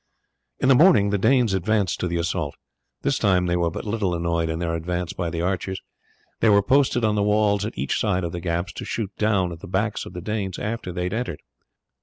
In the morning the Danes advanced to the assault. This time they were but little annoyed in their advance by the archers. These were posted on the walls at each side of the gaps to shoot down at the backs of the Danes after they had entered.